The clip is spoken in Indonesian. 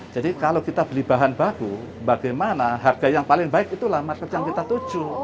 jadi kalau kita beli bahan baku bagaimana harga yang paling baik itulah market yang kita tuju